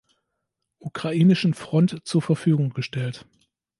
Ukrainischen Front zur Verfügung gestellt.